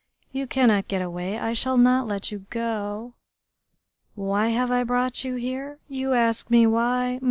You cannot get away, I shall not let you go.... Why have I brought you here? You ask me why?